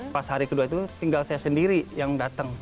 pas hari kedua itu tinggal saya sendiri yang datang